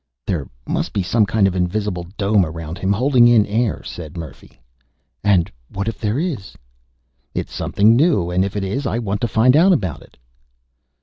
"There must be some kind of invisible dome around him, holding in air," said Murphy. "And what if there is?" "It's something new, and if it is, I want to find out about it."